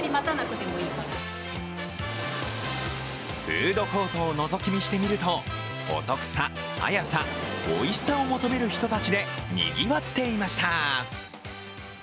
フードコートをのぞき見してみると、お得さ、早さ、おいしさを求める人たちでにぎわっていました。